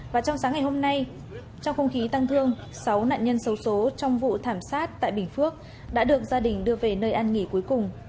và trong sáng ngày hôm nay trong không khí tăng thương sáu nạn nhân sâu số trong vụ thảm sát tại bình phước đã được gia đình đưa về nơi ăn nghỉ cuối cùng